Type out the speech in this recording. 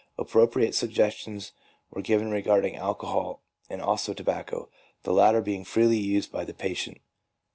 Appropriate suggestions were given regarding alcohol and also tobacco, the latter being freely used by the patient.